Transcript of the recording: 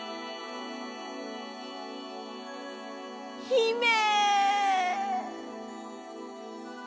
「ひめ！」。